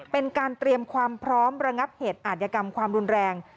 เป็นการเตรียมความพร้อมระงับเหตุอาธิกรรมความรุนแรง